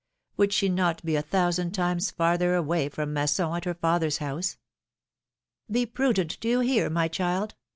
Would she not be a thousand times farther away from Masson at her father's house ? ^^Be prudent, do you hear, my child